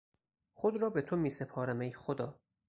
خود را به تو میسپارم ای خدا!